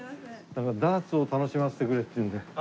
ダーツを楽しませてくれるっていうんで。